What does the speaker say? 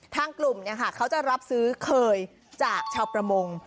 ทางกลุ่มเขาจะรับซื้อเคยจากชาวประมง